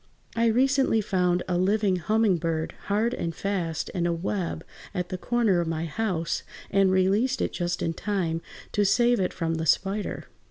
I recently found a living humming bird hard and fast in a web at the corner of my house, and released it just in time to save it from the spider.